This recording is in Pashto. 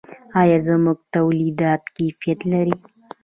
آیا زموږ تولیدات کیفیت لري؟